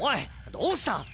どうした！